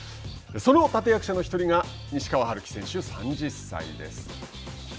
その立て役者の１人が西川遥輝選手、３０歳です。